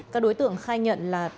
các đối tượng khai nhận là